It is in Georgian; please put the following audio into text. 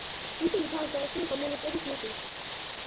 ისინი თავს დაესხნენ კომუნისტების მიტინგს.